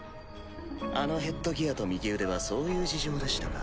あのヘッドギアと右腕はそういう事情でしたか。